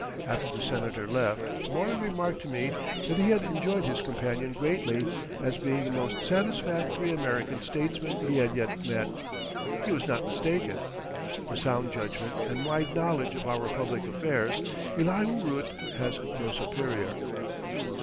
After the Senator left Morley remarked to me that he had enjoyed his companion greatly, as being the most satisfactory American statesman he had yet met. He was not mistaken. For sound judgment and wide knowledge of our public affairs Elihu Root has no superior.